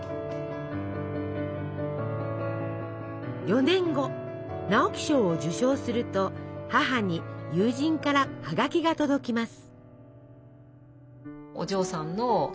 ４年後直木賞を受賞すると母に友人から葉書が届きます。